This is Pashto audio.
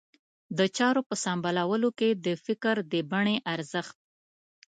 د چارو په سمبالولو کې د فکر د بڼې ارزښت.